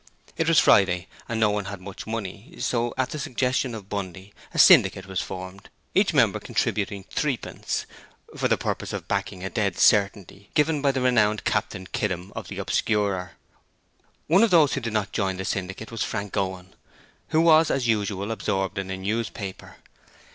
It was Friday, and no one had much money, so at the suggestion of Bundy, a Syndicate was formed, each member contributing threepence for the purpose of backing a dead certainty given by the renowned Captain Kiddem of the Obscurer. One of those who did not join the syndicate was Frank Owen, who was as usual absorbed in a newspaper.